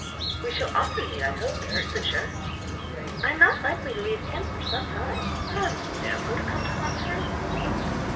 "We shall often meet, I hope, in Hertfordshire." "I am not likely to leave Kent for some time. Promise me, therefore, to come to Hunsford."